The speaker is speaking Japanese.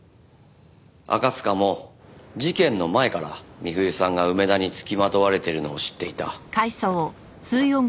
赤塚も事件の前から美冬さんが梅田に付きまとわれているのを知っていた。